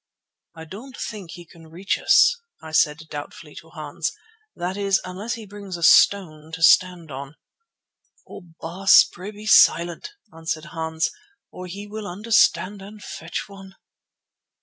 "I don't think he can reach us," I said doubtfully to Hans, "that is, unless he brings a stone to stand on." "Oh! Baas, pray be silent," answered Hans, "or he will understand and fetch one."